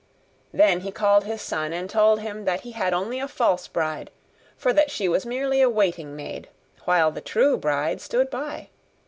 Then he called his son and told him that he had only a false bride; for that she was merely a waiting maid, while the true bride stood by.